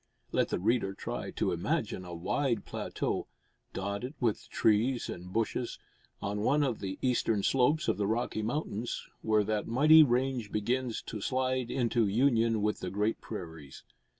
Let the reader try to imagine a wide plateau, dotted with trees and bushes, on one of the eastern slopes of the Rocky Mountains, where that mighty range begins to slide into union with the great prairies.